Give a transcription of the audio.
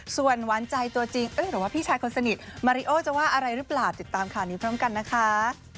ส่วนหวานใจตัวจริงหรือว่าพี่ชายคนสนิทมาริโอจะว่าอะไรหรือเปล่าติดตามข่าวนี้พร้อมกันนะคะ